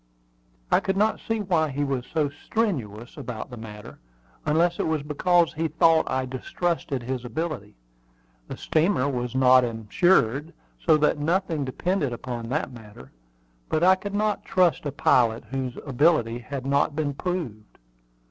I could not see why he was so strenuous about the matter, unless it was because he thought I distrusted his ability. The steamer was not insured, so that nothing depended upon that matter; but I could not trust a pilot whose ability had not been proved.